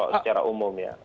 secara umum ya